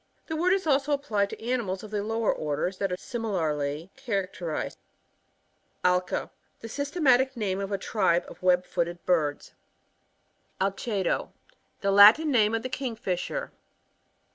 The word is also applied to animals ofthe lower orders that; are similarly characterised. Alga.— The systematic name of a ' tribe of web footed birds. \ 10 Alcedo,— Latin name of the King, fisher.